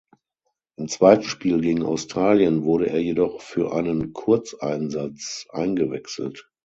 Im zweiten Spiel gegen Australien wurde er jedoch für einen Kurzeinsatz eingewechselt.